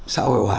xã hội hòa